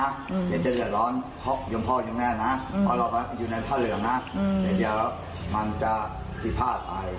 เดี๋ยวจะเรียกร้อนยนต์พ่อยุนแม่นนะพอเรามาอยู่ในไพ่เหลืองนะเดี๋ยวมันจะติพห้าอะไร